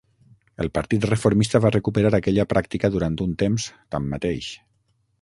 El Partit Reformista va recuperar aquesta pràctica durant un temps, tanmateix.